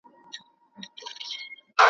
شکرباسي په قانع وي او خندیږي .